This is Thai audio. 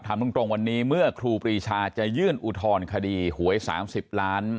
ถามตรงตรงวันนี้เมื่อครูปรีชาจะยื่นอุทธรณ์คดีหวยสามสิบล้าน